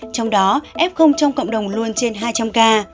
trong đó f trong cộng đồng luôn trên hai trăm linh ca